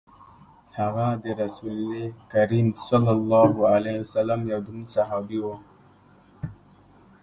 هغه د رسول کریم صلی الله علیه وسلم یو دروند صحابي وو.